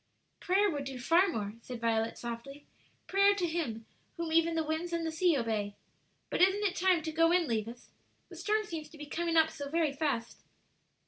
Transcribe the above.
"Prayer would do far more," said Violet, softly "prayer to Him whom even the winds and the sea obey. But isn't it time to go in, Levis? the storm seems to be coming up so very fast."